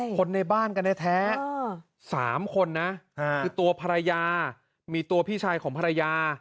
คนในบ้านกันแท้๓คนนะคือตัวภรรยามีตัวพี่ชายของภรรยา